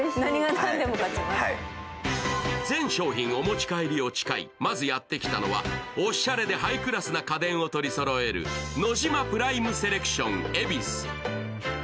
全商品お持ち帰りを誓い、まずやってきたのはおっしゃれでハイクラスな家電を取りそろえるノジマＰＲＩＭＥＳＥＬＥＣＴＩＯＮＥＢＩＳＵ。